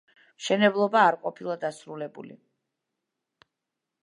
მშენებლობა არ ყოფილა დასრულებული.